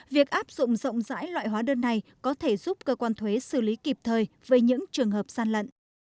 việc áp dụng rộng rãi loại hóa đơn này có thể giúp cơ quan thuế xử lý kịp thời với những trường hợp gian lận